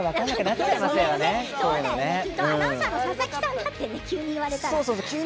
アナウンサーの佐々木さんだって急に言われたらね。